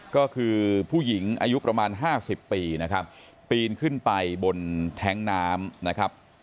ก็คือผู้หญิงอายุประมาณ๕๐ปีนะครับปีนขึ้นไปบนแท้งน้ำนะครับ